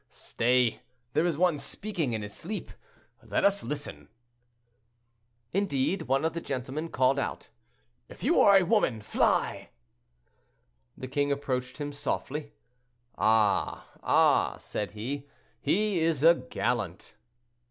"Stay, there is one speaking in his sleep; let us listen." Indeed, one of the gentlemen called out, "If you are a woman, fly!" The king approached him softly. "Ah! ah!" said he, "he is a gallant."